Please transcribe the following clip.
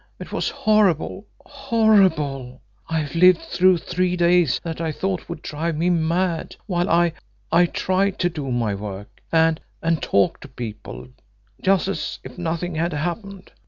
It was horrible, horrible! I've lived through three days that I thought would drive me mad, while I I tried to do my work, and and talk to people, just as if nothing had happened.